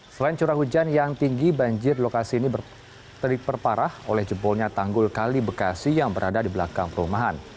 selain curah hujan yang tinggi banjir di lokasi ini terperparah oleh jebolnya tanggul kali bekasi yang berada di belakang perumahan